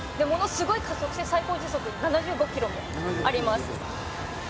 「ものすごい加速して最高時速７５キロもあります」